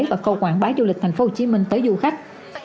và khâu quảng bá du lịch thành phố hồ chí minh tới du khách